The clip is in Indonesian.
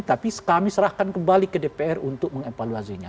tapi kami serahkan kembali ke dpr untuk mengevaluasinya